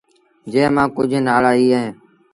جݩهݩ مآݩ ڪجھ نآلآ اي اهيݩ